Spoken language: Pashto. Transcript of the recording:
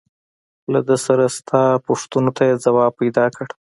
له ده سره شته پوښتنو ته يې ځواب پيدا کړ.